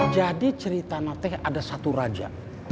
jadi cerita nata ada satu raja